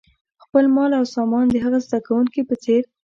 خپل مال او سامان د هغه زده کوونکي په څېر.